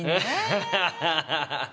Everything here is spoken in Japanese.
ハハハハハ。